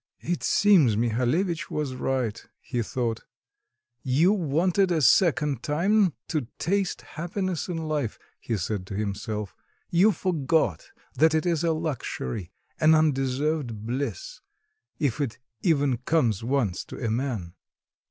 "It seems Mihalevitch was right," he thought; "you wanted a second time to taste happiness in life," he said to himself, "you forgot that it is a luxury, an undeserved bliss, if it even comes once to a man.